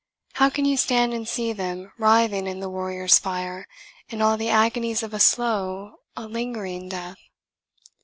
How can you stand and see them writhing in the warriors' fire, in all the agonies of a slow, a lingering death?